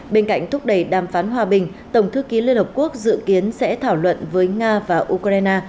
bên cạnh thúc đẩy đàm phán hòa bình tổng thư ký liên hợp quốc dự kiến sẽ thảo luận với nga và ukraine